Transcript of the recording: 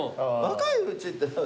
若いうちって。